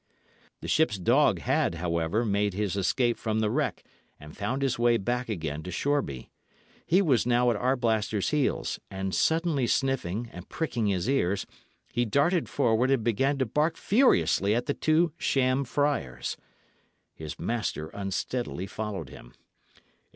The ship's dog had, however, made his escape from the wreck and found his way back again to Shoreby. He was now at Arblaster's heels, and suddenly sniffing and pricking his ears, he darted forward and began to bark furiously at the two sham friars. His master unsteadily followed him.